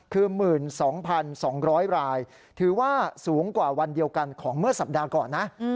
คือ๑๒๒๐๐รายถือว่าสูงกว่าวันเดียวกันของเมื่อสัปดาห์ก่อนนะ